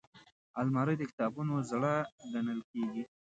الماري د کتابتون زړه ګڼل کېږي